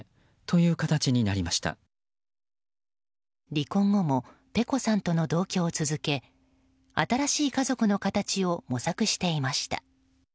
離婚後もｐｅｃｏさんとの同居を続け新しい家族の形を模索していました。